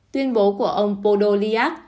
tuyên bố của ông podolyak